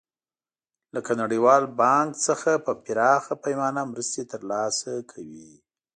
لکه نړیوال بانک څخه په پراخه پیمانه مرستې تر لاسه کوي.